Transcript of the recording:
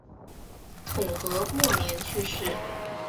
统和末年去世。